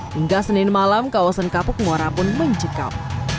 hingga senin malam kawasan kapuk muara pun menjikau